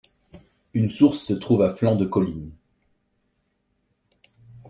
Une source se trouve à flanc de colline.